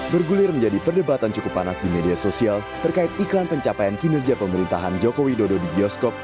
bergulir menjadi perdebatan cukup panas di media sosial terkait iklan pencapaian kinerja pemerintahan joko widodo di bioskop